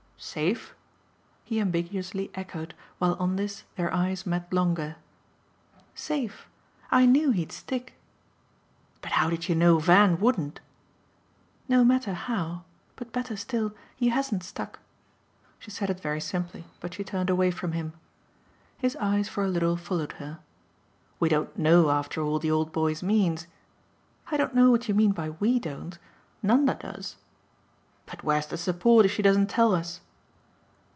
"'Safe'?" he ambiguously echoed while on this their eyes met longer. "Safe. I knew he'd stick." "But how did you know Van wouldn't?" "No matter 'how' but better still. He hasn't stuck." She said it very simply, but she turned away from him. His eyes for a little followed her. "We don't KNOW, after all, the old boy's means." "I don't know what you mean by 'we' don't. Nanda does." "But where's the support if she doesn't tell us?"